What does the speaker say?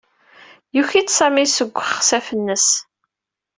Yuki-d Sami seg uxsaf-nnes.